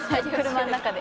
車の中で。